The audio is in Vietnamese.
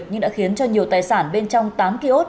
nhưng đã khiến cho nhiều tài sản bên trong tám ký ốt